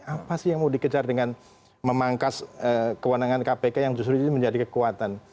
apa sih yang mau dikejar dengan memangkas kewenangan kpk yang justru ini menjadi kekuatan